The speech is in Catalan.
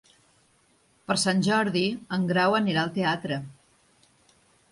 Per Sant Jordi en Grau anirà al teatre.